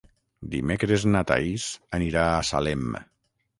Dimecres na Thaís anirà a Salem.